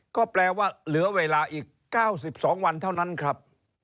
ก็แปลว่าเหลือเวลาอีก๙๒วันเท่านั้นครับ